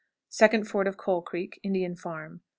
Second ford of Coal Creek. Indian farm.